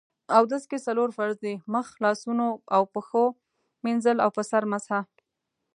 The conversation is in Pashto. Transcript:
اودس کې څلور فرض دي: مخ، لاسونو او پښو مينځل او په سر مسح